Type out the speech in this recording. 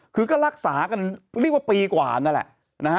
คือก็รักษากันเรียกว่าปีกว่านั่นแหละนะฮะ